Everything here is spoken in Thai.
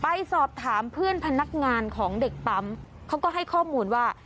ไปสอบถามเพื่อนพนักงานของเด็กปั๊มเขาก็ให้ข้อมูลว่า